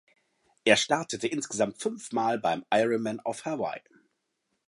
Er startete insgesamt fünf Mal beim Ironman auf Hawaii.